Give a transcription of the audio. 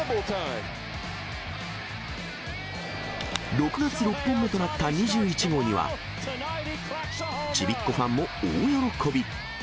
６月６本目となった２１号には、ちびっこファンも大喜び。